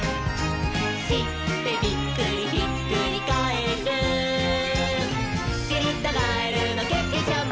「しってビックリひっくりかえる」「しりたガエルのけけちゃま」